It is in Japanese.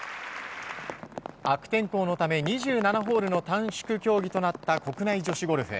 悪天候のため２７ホールの短縮競技となった国内女子ゴルフ。